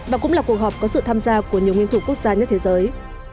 và cũng là cuộc họp có sự tham gia của nhiều nguyên thủ quốc gia nhất thế giới